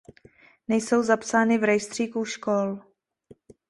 Nejsou zapsány v Rejstříku škol.